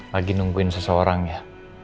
lagi nungguin seseorang ya